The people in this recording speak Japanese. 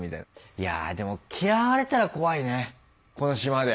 いやでも嫌われたら怖いねこの島で。